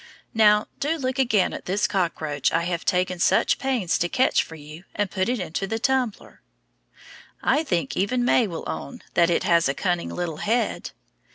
Now, do look again at this cockroach I have taken such pains to catch for you and put into the tumbler. I think even May will own that it has a cunning little head.